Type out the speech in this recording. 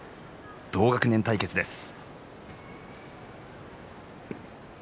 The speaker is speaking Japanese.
同学年対決です。